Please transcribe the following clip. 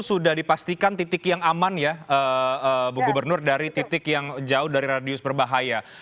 sudah dipastikan titik yang aman ya bu gubernur dari titik yang jauh dari radius berbahaya